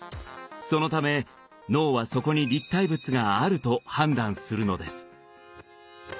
そのため脳はそこに立体物があると判断するのです。